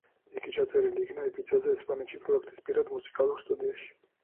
იგი ჩაწერილი იქნა იბიცაზე, ესპანეთში, პროექტის პირად მუსიკალურ სტუდიაში.